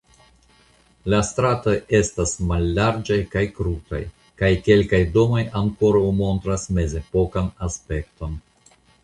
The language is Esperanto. La stratoj estas mallarĝaj kaj krutaj kaj kelkaj domoj ankoraŭ montras mezepokan aspekton.